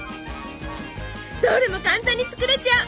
どれも簡単に作れちゃう！